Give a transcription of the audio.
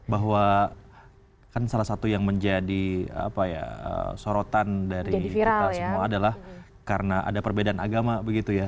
bahwa kan salah satu yang menjadi sorotan dari kita semua adalah karena ada perbedaan agama begitu ya